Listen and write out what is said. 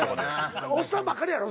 おっさんばっかりやろ？